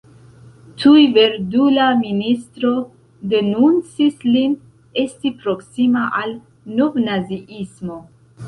Tuj verdula ministro denuncis lin, esti proksima al novnaziismo.